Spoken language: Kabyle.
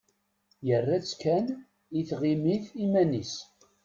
Yerra-tt kan i tɣimit iman-is.